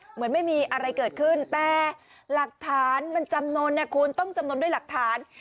เหมือนไม่มีอะไรเกิดขึ้นแต่หลักฐานมันจำนวนนะคุณต้องจำนวนด้วยหลักฐาน